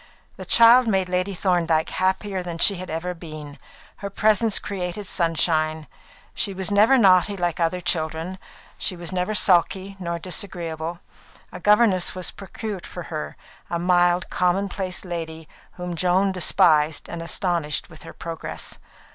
The child made Lady Thorndyke happier than she had ever been. Her presence created sunshine. She was never naughty like other children; she was never sulky nor disagreeable. A governess was procured for her, a mild, common place lady whom Joan despised and astonished with her progress.